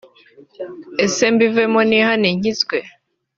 Ese mbivemo nihane nkizwe